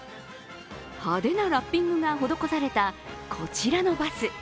派手なラッピングが施されたこちらのバス。